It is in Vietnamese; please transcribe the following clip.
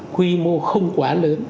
quy mô không quá lớn